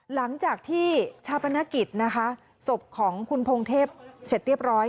หลังจากที่ชาปนกิจนะคะศพของคุณพงเทพเสร็จเรียบร้อย